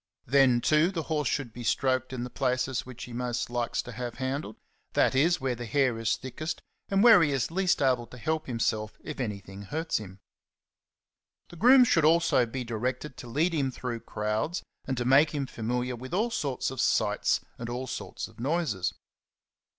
Then, too, the horse should be stroked in the places which he most likes to have handled ; that is, where the hair is thickest, and where he is least able to help himself if anything hurts him. The groom should also be directed to lead him through crowds, and to make him familiar with all sorts of sights and all sorts of noises.